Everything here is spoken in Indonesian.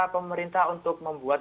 pemerintah untuk membuat